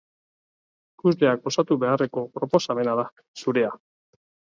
Ikusleak osatu beharreko proposamena da zurea.